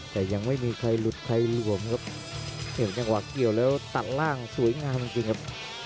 แต่ยังไม่มีใครหลุดใครหลวมครับเกี่ยวจังหวะเกี่ยวแล้วตัดล่างสวยงามจริงจริงครับ